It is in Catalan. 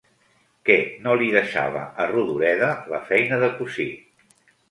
Què no li deixava a Rodoreda la feina de cosir?